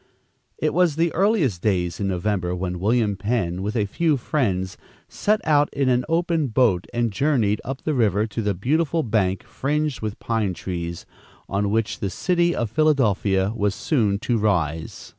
It was the earliest days in November when William Penn, with a few friends, set out in an open boat and journeyed up the river to the beautiful bank, fringed with pine trees, on which the city of Philadelphia was soon to rise.